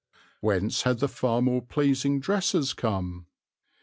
Whence had the far more pleasing dresses come?